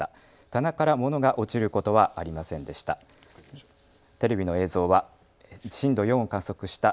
棚から物が落ちることはありませんでした。